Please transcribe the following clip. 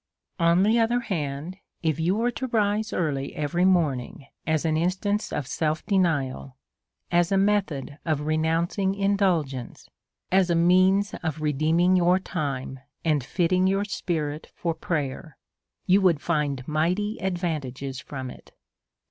On the other hand, if you was to rise early every morning, as an instance of self denial, as a method of renouncing indulgence, as a means of redeeming your time, and htting your spirit for prayer, you M would find mighty advantages from it.